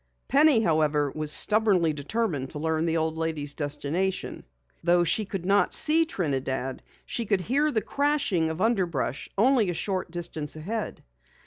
Penny, however, was stubbornly determined to learn the old lady's destination. Though she could not see Trinidad she could hear the crashing of underbrush only a short distance ahead.